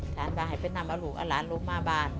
ก่อนนอนให้ไปนำลูกอาหารลงมาบ้าน